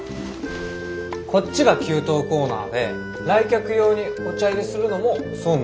こっちが給湯コーナーで来客用にお茶いれするのも総務の大事な仕事なんだ。